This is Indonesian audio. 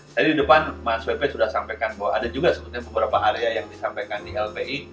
tadi di depan mas wepet sudah sampaikan bahwa ada juga sebetulnya beberapa area yang disampaikan di lpi